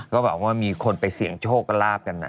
ก็แบบว่ามีคนไปเสี่ยงโชคก็ลาบกันนะ